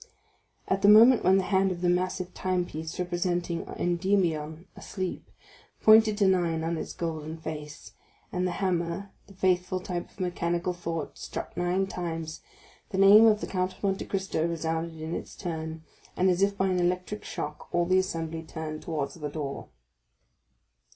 At the moment when the hand of the massive time piece, representing Endymion asleep, pointed to nine on its golden face, and the hammer, the faithful type of mechanical thought, struck nine times, the name of the Count of Monte Cristo resounded in its turn, and as if by an electric shock all the assembly turned towards the door.